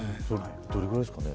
どれぐらいですかね